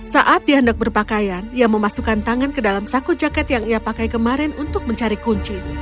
saat dia hendak berpakaian ia memasukkan tangan ke dalam saku jaket yang ia pakai kemarin untuk mencari kunci